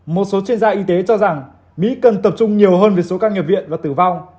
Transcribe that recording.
một số chuyên gia y tế cho rằng mỹ cần tập trung nhiều hơn về số ca nhập viện và tử vong